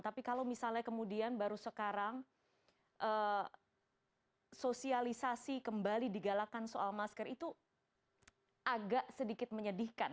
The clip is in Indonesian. tapi kalau misalnya kemudian baru sekarang sosialisasi kembali digalakan soal masker itu agak sedikit menyedihkan